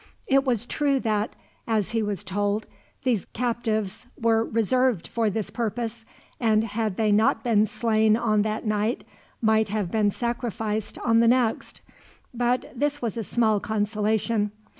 It was true that, as he was told, these captives were reserved for this purpose, and had they not been slain on that night might have been sacrificed on the next; but this was a small consolation.